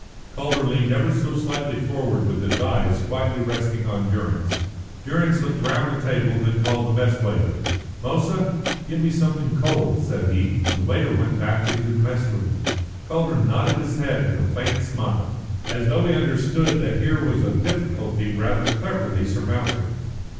Calder leaned ever so slightly forward with his eyes quietly resting on Durrance. Durrance looked round the table, and then called the mess waiter. "Moussa, get me something cold," said he, and the waiter went back into the mess room. Calder nodded his head with a faint smile, as though he understood that here was a difficulty rather cleverly surmounted.